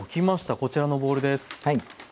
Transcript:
こちらのボウルです。